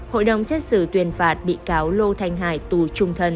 hội đồng xét xử tuyên phạt bị cáo lô thanh hải tù